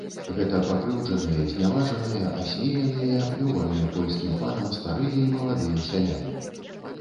Гэта пакрыўджаныя, зняважаныя, асмеяныя і аплёваныя польскім панам старыя і маладыя сяляне.